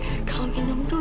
ada apa yang terjadi